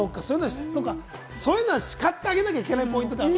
そういうのは、しかってあげなきゃいけないポイントだよね。